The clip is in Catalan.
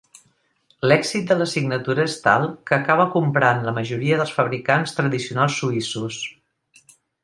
L'èxit de la signatura és tal que acaba comprant la majoria dels fabricants tradicionals suïssos.